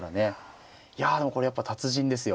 いやでもこれやっぱ達人ですよ。